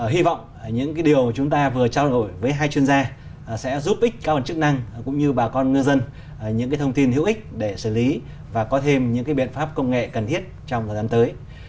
hy vọng những điều chúng ta vừa trao đổi với hai chuyên gia sẽ giúp ích các bản chức năng cũng như bà con ngư dân những thông tin hữu ích để xử lý và có thêm những biện pháp công nghệ cần thiết trong thời gian tới